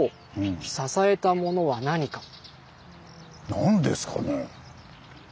何ですかね。